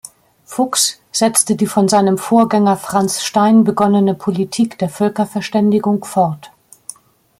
Fuchs setzte die von seinem Vorgänger Franz Stein begonnene Politik der Völkerverständigung fort.